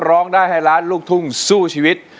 ร้องได้ให้ล้านลูกทุ่งสู้ชีวิต